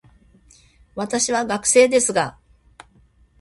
私は学生ですが、